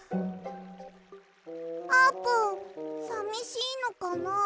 あーぷんさみしいのかな？